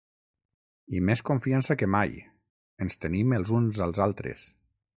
I més confiança que mai, ens tenim els uns als altres.